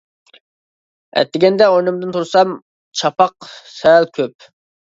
ئەتىگەندە ئورنۇمدىن تۇرسام چاپاق سەل كۆپ.